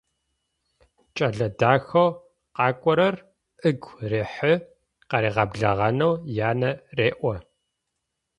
Кӏэлэ дахэу къакӏорэр ыгу рехьы, къыригъэблэгъэнэу янэ реӏо.